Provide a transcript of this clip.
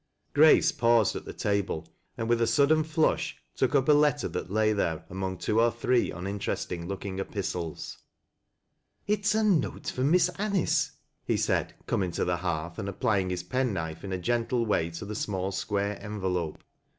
Grace paused at the table, and with a suddwn flush, took up a letter that lay there among two or three 'minteresting looking epistles. " It is a note from Miss Anice," he said, joming to the hearth and applying his pen knife in a gei tie way to the small square envelope.